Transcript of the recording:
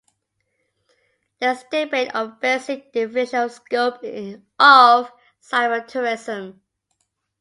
There is debate over the basic definition of the scope of cyber terrorism.